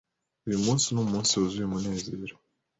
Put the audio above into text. Uyu munsi ni umunsi wuzuye umunezero.